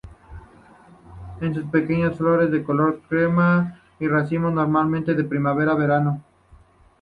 Sus pequeñas flores de color crema nacen en racimos, normalmente de primavera a verano.